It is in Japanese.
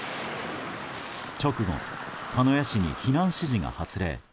直後、鹿屋市に避難指示が発令。